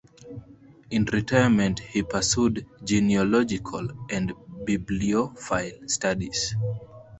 In retirement he pursued genealogical and bibliophile studies.